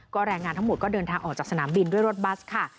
แรงงานทั้งหมดก็เดินทางออกจากสนามบินด้วยรถบัสค่ะ